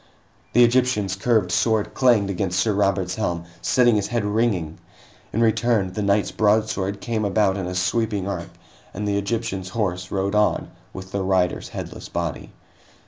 The Egyptian's curved sword clanged against Sir Robert's helm, setting his head ringing. In return, the knight's broadsword came about in a sweeping arc, and the Egyptian's horse rode on with the rider's headless body.